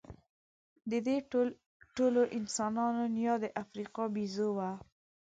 د دې ټولو انسانانو نیا د افریقا بیزو وه.